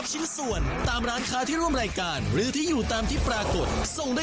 เดี๋ยวก็ลุ่นกันน่าผู้โชคดีจะเป็นใครนะคะ